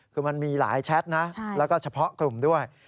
คือมันมีหลายแชทนะแล้วก็เฉพาะกลุ่มด้วย